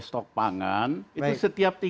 stok pangan itu setiap